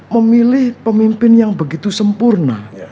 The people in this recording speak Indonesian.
memilih pemimpin yang begitu sempurna